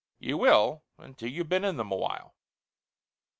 You will, until you've been in them a while."